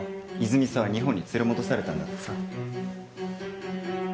泉さんは日本に連れ戻されたんだってさ。